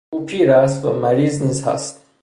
او پیر است و مریض نیز هست.